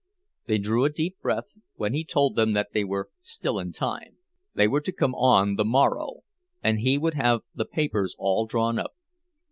They drew a deep breath when he told them that they were still in time. They were to come on the morrow, and he would have the papers all drawn up.